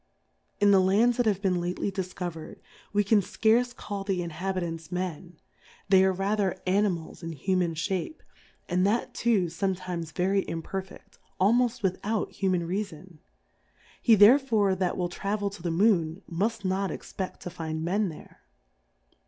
In the Lands that have been lately difcover'd, we can fcarce call the Inhabitants Men, they are rather Animals in Human Shape, and that too fometimes very imperfeft, almoft without ^uman Rea fon ; he therefore that will travel to the Moon, muft not expeft to find Men there.